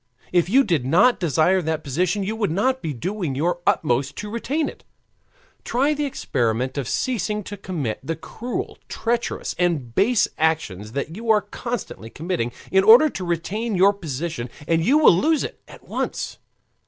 If you did not desire that position, you would not be doing your utmost to retain it. Try the experiment of ceasing to commit the cruel, treacherous, and base actions that you are constantly committing in order to retain your position, and you will lose it at once.